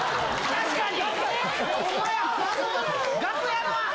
確かに？